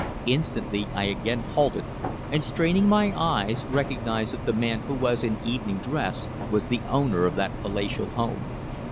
Instantly I again halted, and straining my eyes recognized that the man who was in evening dress was the owner of that palatial home.